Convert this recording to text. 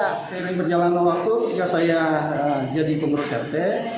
ketika berjalan ke waktu ya saya jadi pengurus rt